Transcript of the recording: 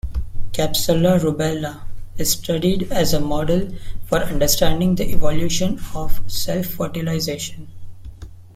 "Capsella rubella" is studied as a model for understanding the evolution of self-fertilization.